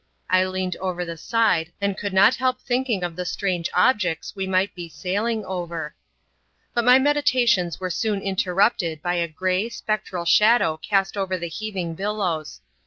I leaned over the side, and could not help thinking of the strange objects we might be sailing over. But my meditations were soon interrupted by a grey, spec tral shadow cast over the heaving billows.